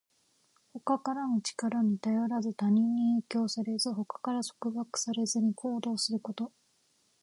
他からの力に頼らず、他人に影響されず、他から束縛されずに行動すること。